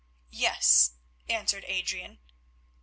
"Yes," answered Adrian.